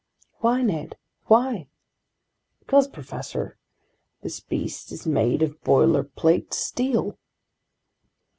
"Why, Ned, why?" "Because, professor, this beast is made of boilerplate steel!"